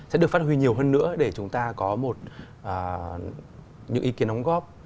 sẽ được phát huy nhiều hơn nữa để chúng ta có một ý kiến đóng góp